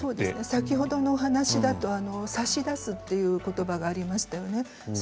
先ほどの話だと差し出すという話がありました。